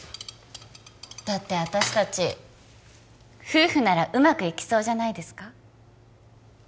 だって私達夫婦ならうまくいきそうじゃないですか？